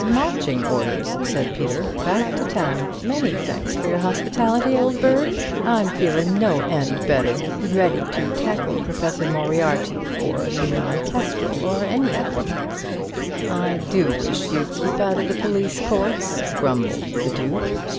"Marching orders," said Peter, "back to town. Many thanks for your hospitality, old bird—I'm feelin' no end better. Ready to tackle Professor Moriarty or Leon Kestrel or any of 'em." "I do wish you'd keep out of the police courts," grumbled the Duke.